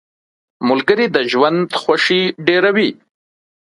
ملګری د ژوند خوښي ډېروي.